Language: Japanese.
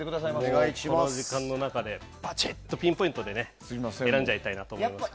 この時間の中でばちっとピンポイントで選んじゃいたいなと思います。